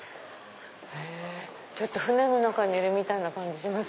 船の中にいるみたいな感じします